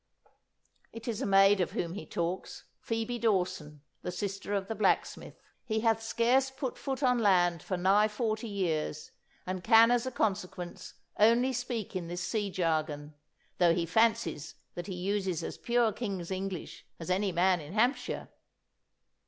'It is a maid of whom he talks Phoebe Dawson, the sister of the blacksmith. He hath scarce put foot on land for nigh forty years, and can as a consequence only speak in this sea jargon, though he fancies that he uses as pure King's English as any man in Hampshire.